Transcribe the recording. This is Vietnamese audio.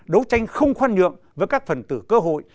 đấu tranh không khoan nhượng với các phần tử cơ hội